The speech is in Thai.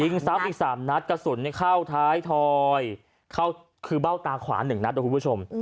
ซ้ำอีก๓นัดกระสุนเข้าท้ายทอยเข้าคือเบ้าตาขวา๑นัดนะคุณผู้ชม